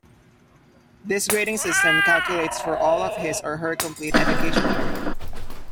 This grading system calculates for all of his or her complete education career.